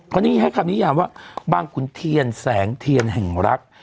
เขานี่ให้คำนิยามว่าบางขุนเทียนแสงเทียนแห่งรัก